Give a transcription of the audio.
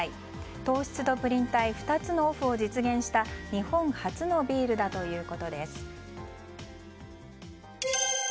糖質とプリン体２つのオフを実現した日本初のビールだということです。